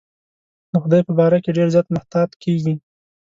د خدای په باره کې ډېر زیات محتاط کېږي.